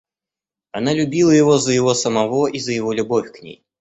Она любила его за его самого и за его любовь к ней.